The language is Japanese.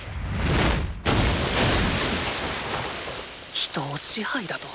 人を支配だと？